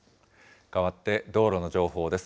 かわって道路の情報です。